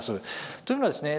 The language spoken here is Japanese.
というのはですね